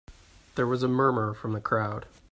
There was a murmur from the crowd.